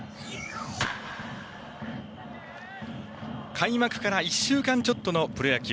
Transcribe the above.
開幕から１週間ちょっとのプロ野球。